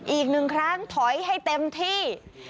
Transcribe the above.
อีกหนึ่งครั้งถอยให้เต็มที่